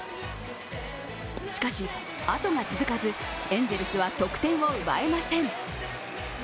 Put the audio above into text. しかし、あとが続かず、エンゼルスは得点を奪えません。